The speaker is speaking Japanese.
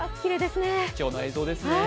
貴重な映像ですね。